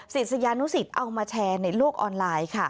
ศิษยานุสิตเอามาแชร์ในโลกออนไลน์ค่ะ